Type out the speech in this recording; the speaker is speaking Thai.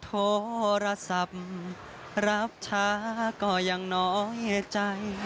โทรศัพท์รับช้าก็ยังน้อยใจ